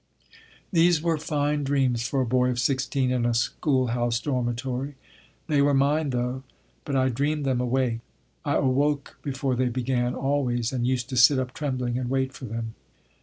These were fine dreams for a boy of sixteen in a schoolhouse dormitory. They were mine, though: but I dreamed them awake. I awoke before they began, always, and used to sit up trembling and wait for them.